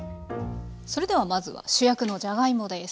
それではまずは主役のじゃがいもです。